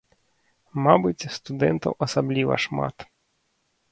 Мабыць, студэнтаў асабліва шмат.